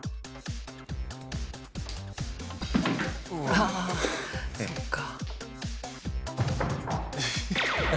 ああそっか。